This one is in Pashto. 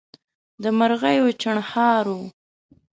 د مرغیو چڼهار وو